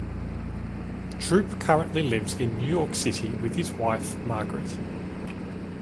Troupe currently lives in New York City with his wife, Margaret.